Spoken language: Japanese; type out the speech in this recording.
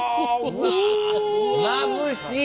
まぶしい！